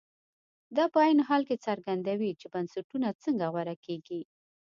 دا په عین حال کې څرګندوي چې بنسټونه څنګه غوره کېږي.